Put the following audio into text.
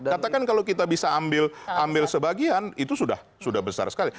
katakan kalau kita bisa ambil sebagian itu sudah besar sekali